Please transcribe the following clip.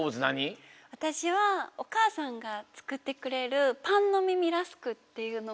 わたしはおかあさんがつくってくれるパンのみみラスクっていうのが。